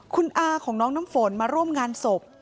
คุณอาของน้องน้ำฝนมาร่วมงานศพ